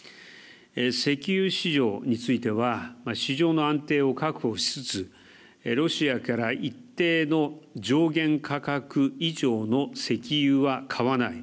石油市場については市場の安定を確保しつつロシアから一定の上限価格以上の石油は買わない。